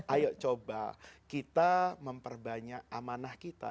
ayo coba kita memperbanyak amanah kita